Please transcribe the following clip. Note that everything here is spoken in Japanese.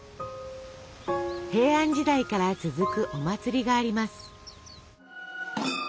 平安時代から続くお祭りがあります。